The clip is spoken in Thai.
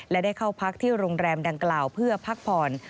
และได้เข้าพักที่โรงแรมดังกล่าวเพื่อพักผ่อน